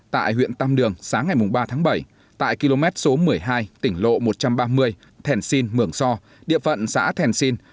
tại huyện tam đường sáng ngày ba tháng bảy tại km số một mươi hai tỉnh lộ một trăm ba mươi thèn sinh mường so địa phận xã thèn sinh